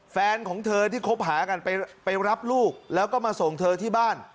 แฟนของเธอที่คบหากันไปรับลูกแล้วก็มาส่งเธอที่บ้าน